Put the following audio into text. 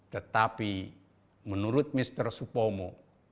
tetapi menurut mister supomo